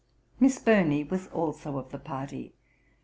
Miss Burney was also of the party.